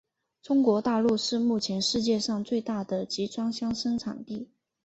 中国大陆是目前世界上最大的集装箱生产地。